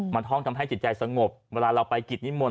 มันท่องทำให้จิตใจสงบเวลาเราไปกิจนิมนต